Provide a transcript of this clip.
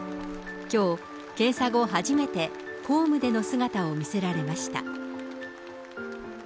きょう、検査後初めて、公務での姿を見せられました。